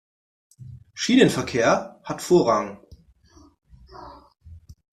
Schienenverkehr hat Vorrang.